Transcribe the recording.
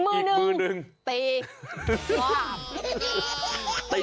อีกมือหนึ่งตีสวาป